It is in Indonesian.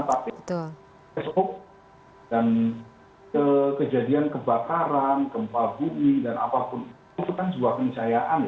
tapi esok dan kejadian kebakaran kempal bumi dan apapun itu kan sebuah kemisayaan ya